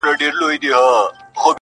اوس مي لا په هر رگ كي خـوره نـــه ده.